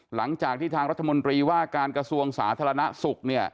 หลังจากที่ทางรัฐมนตรีว่าการกระทรวงสาธารณสุขเนี่ย